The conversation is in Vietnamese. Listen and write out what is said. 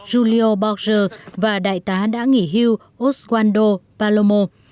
julio borges và đại tá đã nghỉ hưu oswaldo palomo